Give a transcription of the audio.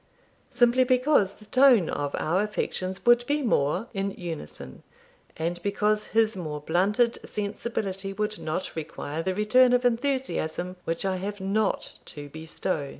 'Simply because the tone of our affections would be more in unison, and because his more blunted sensibility would not require the return of enthusiasm which I have not to bestow.